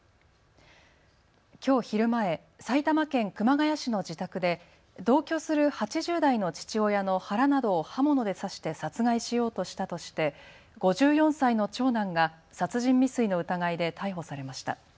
きょう昼前、埼玉県熊谷市の自宅で同居する８０代の父親の腹などを刃物で刺して殺害しようとしたとして５４歳の長男が殺人未遂の疑いで逮捕されました。